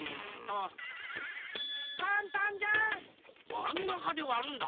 まんなかでわるんだ！